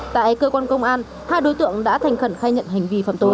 tại cơ quan công an hai đối tượng đã thành khẩn khai nhận hành vi phạm tội